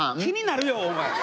気になるよお前。